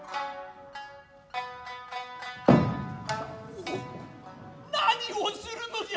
おっ何をするのじゃ。